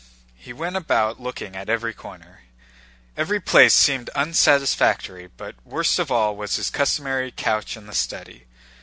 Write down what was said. He went about looking at every corner. Every place seemed unsatisfactory, but worst of all was his customary couch in the study.